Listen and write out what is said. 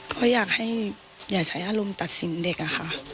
ก็อยากให้อย่าใช้อารมณ์ตัดสินเด็กอะค่ะ